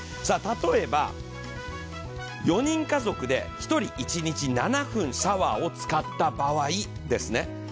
さあ例えば４人家族で１人１日７分シャワーを使った場合ですね。